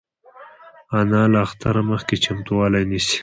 انا له اختره مخکې چمتووالی نیسي